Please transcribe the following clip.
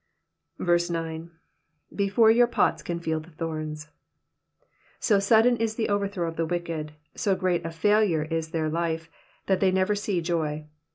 9. ^"^ Before your pots can feel the thorns,'*^ So sudden is the overthrow of the wicked, so great a failure is their life, that they never see joy.